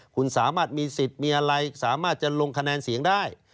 คุณสามารถมีสิทธิ์มีอะไรสามารถจะลงคะแนนเสียงได้